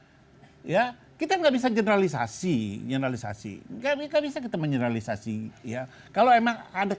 oh ya kita nggak bisa generalisasi generalisasi garis kita menyerah lisasi ya kalau emang ada